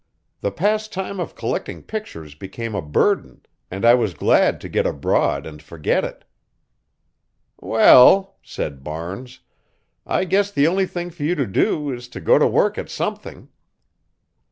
The pastime of collecting pictures became a burden, and I was glad to get abroad and forget it." "Well," said Barnes, "I guess the only thing for you to do is to go to work at something."